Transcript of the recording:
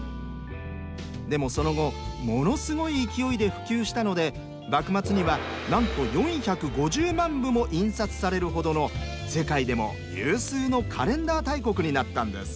でもその後ものすごい勢いで普及したので幕末には何と４５０万部も印刷されるほどの世界でも有数のカレンダー大国になったんです。